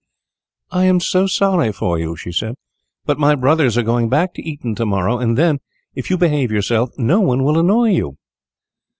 "I am so sorry for you," she said, "but my brothers are going back to Eton to morrow, and then, if you behave yourself, no one will annoy you."